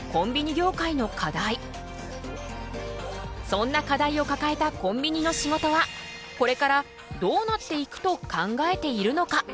そんな課題をかかえたコンビニの仕事はこれからどうなっていくと考えているのか？